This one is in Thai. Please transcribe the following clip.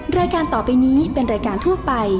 รายการต่อไปนี้เป็นรายการทั่วไป